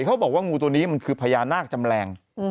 เขาบอกว่างูตัวนี้มันคือพญานาคจำแรง